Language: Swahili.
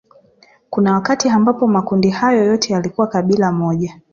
Kuna wakati ambapo makundi hayo yote yalikuwa kabila moja